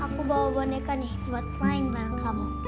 aku bawa boneka nih buat main bareng kamu